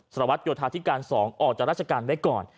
สารวัตรโยธาธิการ๒ออกจากราชการไว้ก่อน